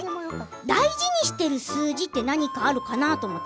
大事にしている数字って何かあるかな？